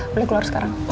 boleh keluar sekarang